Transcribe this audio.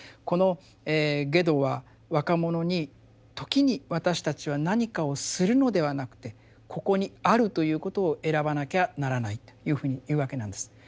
このゲドは若者に時に私たちは何かを「する」のではなくてここに「ある」ということを選ばなきゃならないというふうに言うわけなんです。